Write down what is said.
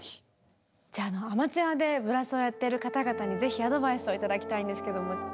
じゃあアマチュアでブラスをやってる方々にぜひアドバイスを頂きたいんですけども。